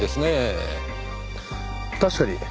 確かに。